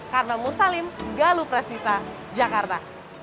saya salim galu prestisa jakarta